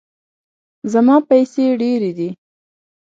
زما پیسې ډیرې دي